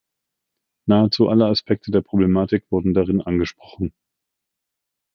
Nahezu alle Aspekte der Problematik wurden darin angesprochen.